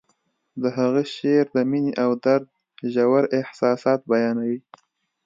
د هغه شعر د مینې او درد ژور احساسات بیانوي